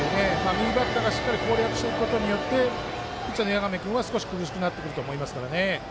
右バッターがしっかり攻略することによってピッチャーの谷亀君は少し厳しくなると思いますね。